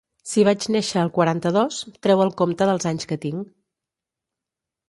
Si vaig néixer el quaranta-dos, treu el compte dels anys que tinc.